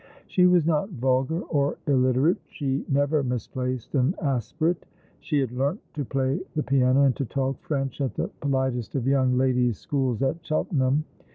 She was not vulgar or illiterate. She never misplaced an aspirate. She had learnt to play the piano and to talk French git the politest of young ladies' schools at Cheltenham.